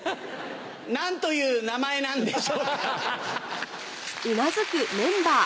何という名前なんでしょうか？